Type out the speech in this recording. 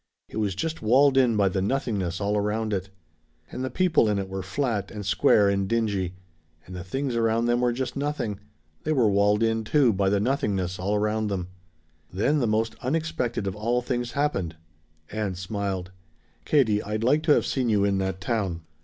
It was just walled in by the nothingness all around it. "And the people in it were flat, and square, and dingy. And the things around them were just nothing. They were walled in, too, by the nothingness all around them." Then the most unexpected of all things happened. Ann smiled. "Katie, I'd like to have seen you in that town!"